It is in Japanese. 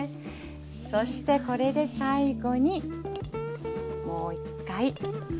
そしてこれで最後にもう一回混ぜます。